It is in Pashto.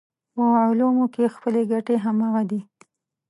په علومو کې خپلې ګټې همغه دي.